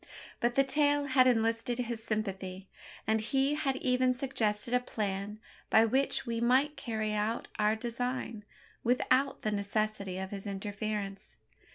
But the tale had enlisted his sympathy; and he had even suggested a plan by which we might carry out our design, without the necessity of his interference.